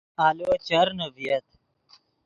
آلو چرنے ڤییت